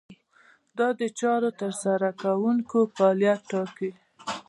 دا د چارو د ترسره کوونکو فعالیت ټاکي.